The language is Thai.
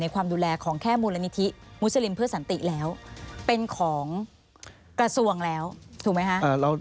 ความดูแลของแค่มูลนิธิมุสลิมเพื่อสันติแล้วเป็นของกระทรวงแล้วถูกไหมคะ